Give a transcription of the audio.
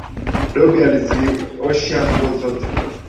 Dobi aliziosha nguo zote